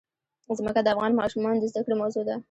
ځمکه د افغان ماشومانو د زده کړې موضوع ده.